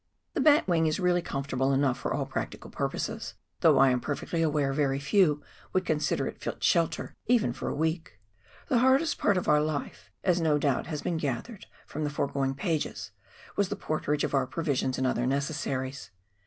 The batwing is really comfortable enough 296 PIOXEER WORK IN THE ALPS OF NEW ZEALAND. for all practical purposes, thougli I am perfectly aware very few would consider it fit shelter even for a week. The hardest part of our life, as no doubt has been gathered from the foregoing pages, was the porterage of our pro visions and other necessaries.